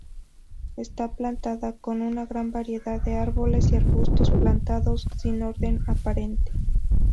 Está plantada con una gran variedad de árboles y arbustos plantados sin orden aparente.